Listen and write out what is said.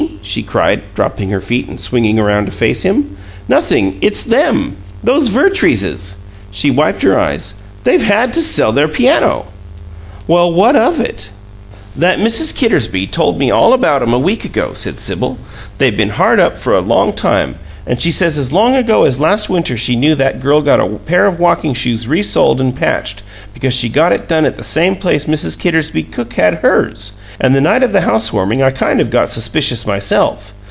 she cried, dropping her feet and swinging around to face him. "Nothing. It's them! Those Vertreeses!" She wiped her eyes. "They've had to sell their piano!" "Well, what of it?" "That Mrs. Kittersby told me all about 'em a week ago," said Sibyl. "They've been hard up for a long time, and she says as long ago as last winter she knew that girl got a pair of walking shoes re soled and patched, because she got it done the same place Mrs. Kittersby's cook had HERS! And the night of the house warming I kind of got suspicious, myself.